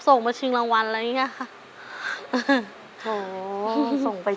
ส่งมาชิงรางวัลอะไรอย่างนี้ค่ะ